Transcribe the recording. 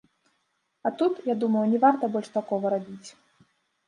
А тут, я думаю, не варта больш такога рабіць.